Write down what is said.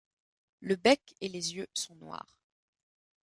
Le bec et les yeux sont noirs.